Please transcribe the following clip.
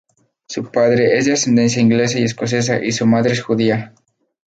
Su padre es de ascendencia inglesa y escocesa y su madre es judía.